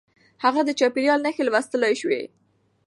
هغه د چاپېريال نښې لوستلای شوې.